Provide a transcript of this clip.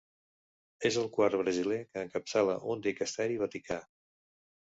És el quart brasiler que encapçala un dicasteri vaticà.